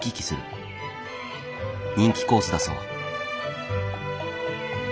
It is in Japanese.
人気コースだそう。